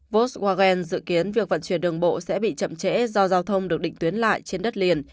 vos wagen dự kiến việc vận chuyển đường bộ sẽ bị chậm trễ do giao thông được định tuyến lại trên đất liền